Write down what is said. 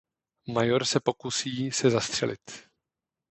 Major se pokusí se zastřelit.